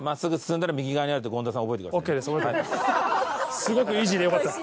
すごくイージーでよかったです。